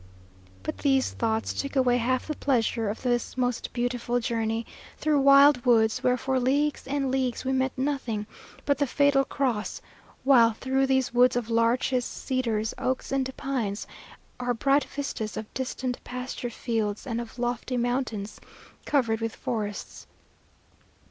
But these thoughts took away half the pleasure of this most beautiful journey, through wild woods, where for leagues and leagues we meet nothing but the fatal cross; while through these woods of larches, cedars, oaks, and pines, are bright vistas of distant pasture fields, and of lofty mountains, covered with forests.